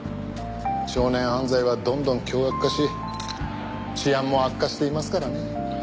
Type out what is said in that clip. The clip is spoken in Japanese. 少年犯罪はどんどん凶悪化し治安も悪化していますからね。